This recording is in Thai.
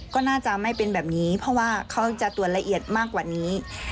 ก็น่าจะไม่เป็นแบบนี้เพราะว่าเขาจะตรวจละเอียดมากกว่านี้